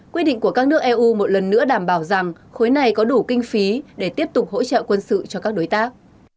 quy định của các nước eu một lần nữa đảm bảo rằng khối này có đủ kinh phí để tiếp tục hỗ trợ quân sự cho các đối tác